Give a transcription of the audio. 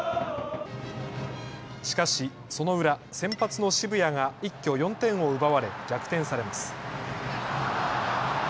しかしその裏、先発の澁谷が一挙４点を奪われ逆転されます。